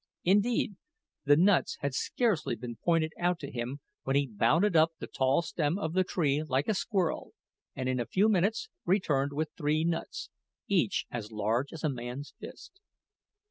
Indeed, the nuts had scarcely been pointed out to him when he bounded up the tall stem of the tree like a squirrel, and in a few minutes returned with three nuts, each as large as a man's fist.